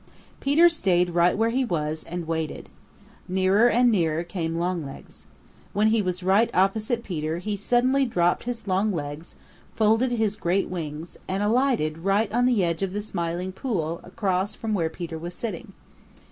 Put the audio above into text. Peter stayed right where he was and waited. Nearer and nearer came Longlegs. When he was right opposite Peter he suddenly dropped his long legs, folded his great wings, and alighted right on the edge of the Smiling Pool across from where Peter was sitting.